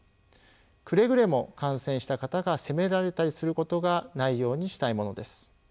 くれぐれも感染した方が責められたりすることがないようにしたいものです。